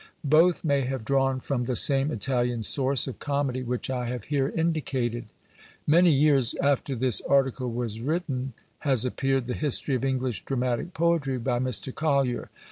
Both may have drawn from the same Italian source of comedy which I have here indicated. Many years after this article was written, has appeared "The History of English Dramatic Poetry," by Mr. Collier.